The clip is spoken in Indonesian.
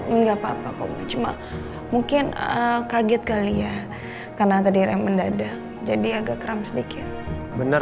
enggak papa cuma mungkin kaget kali ya karena tadi rem pendadak jadi agak kram sedikit bener